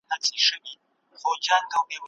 د مرستو لړۍ روانه وساتئ!